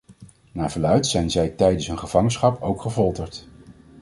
Naar verluidt zijn zij tijdens hun gevangenschap ook gefolterd.